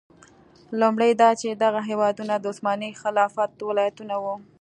لومړی دا چې دغه هېوادونه د عثماني خلافت ولایتونه وو.